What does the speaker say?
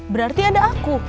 berarti ada aku